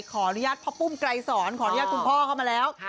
ขออนุญาตพ่อปุ้มไกรสอนขออนุญาตคุณพ่อเข้ามาแล้ว